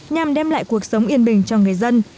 nhằm đem lại cuộc sống yên bình cho người dân